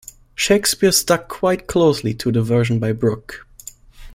Shakespeare stuck quite closely to the version by Brooke.